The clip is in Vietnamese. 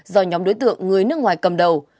do nhóm đối tượng người nước ngoài cầm đầu